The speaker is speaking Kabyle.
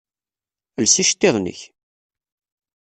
Els iceṭṭiḍen-ik!